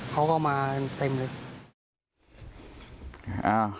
เขาก็มาเต็มเลย